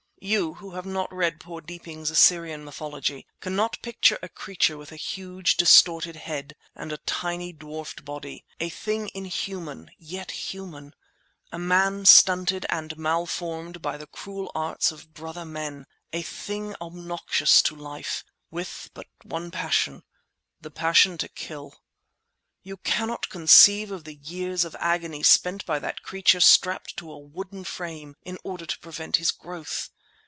You, who have not read poor Deeping's "Assyrian Mythology", cannot picture a creature with a huge, distorted head, and a tiny, dwarfed body—a thing inhuman, yet human—a man stunted and malformed by the cruel arts of brother men—a thing obnoxious to life, with but one passion, the passion to kill. You cannot conceive of the years of agony spent by that creature strapped to a wooden frame—in order to prevent his growth!